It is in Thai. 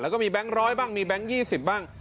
แล้วก็มีแบงค์ร้อยบ้างมีแบงค์๒๐บ้าง